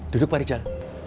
duduk pak rijal